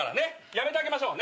やめてあげましょう。